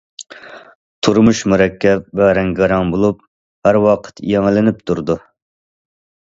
تۇرمۇش مۇرەككەپ ۋە رەڭگارەڭ بولۇپ، ھەر ۋاقىت يېڭىلىنىپ تۇرىدۇ.